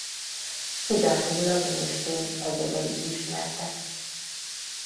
Kizárólag nőstény egyedei ismertek.